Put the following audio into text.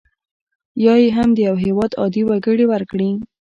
یا یې هم د یو هیواد عادي وګړي ورکړي.